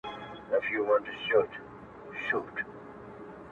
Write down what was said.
پر ساحل باندي ولاړ یمه زنګېږم!!